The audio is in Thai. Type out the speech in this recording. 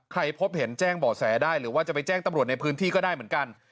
พบเห็นแจ้งบ่อแสได้หรือว่าจะไปแจ้งตำรวจในพื้นที่ก็ได้เหมือนกัน